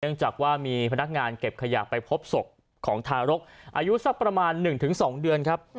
จากว่ามีพนักงานเก็บขยะไปพบศพของทารกอายุสักประมาณ๑๒เดือนครับ